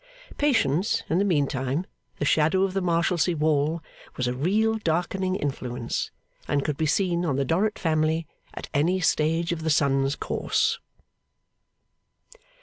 Patience, in the meantime, the shadow of the Marshalsea wall was a real darkening influence, and could be seen on the Dorrit Family at any stage of the sun's course.